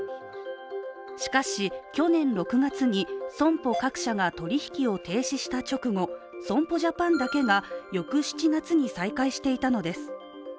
しかし、去年６月に損保各社が取り引きを停止した直後、損保ジャパンだけが翌７月に再開していたのです。